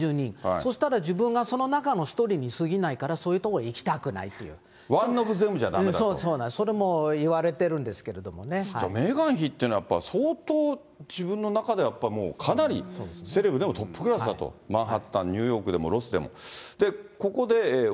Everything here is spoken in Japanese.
そしたら自分がその中の１人にすぎないから、そういう所に行きたワン・オブ・ゼムじゃだめだそうそう、それもいわれてるメーガン妃っていうのは、やっぱり相当、自分の中でやっぱりもうかなりセレブでもトップクラスだと、マンハッタン、ニューヨーク、ロスでも。